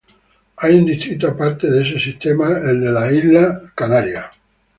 Hay un distrito aparte de este sistema, el de las Islas Chatham.